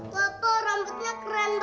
kata rambutnya keren banget